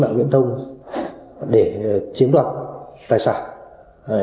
mạng viễn thông để chiếm đoạt tài sản